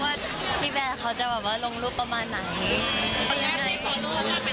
ว่าพี่แบร์เขาจะลงรูปประมาณไหน